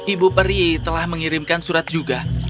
ibu peri telah mengirimkan surat juga